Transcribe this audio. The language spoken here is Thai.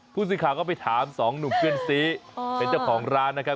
ผู้สื่อข่าวก็ไปถามสองหนุ่มเพื่อนซีเป็นเจ้าของร้านนะครับ